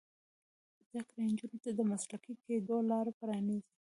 زده کړه نجونو ته د مسلکي کیدو لار پرانیزي.